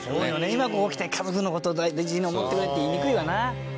今ここ来て家族の事を大事に思ってくれって言いにくいわな。